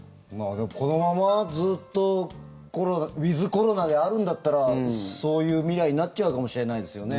このままずっとウィズコロナであるんだったらそういう未来になっちゃうかもしれないですよね。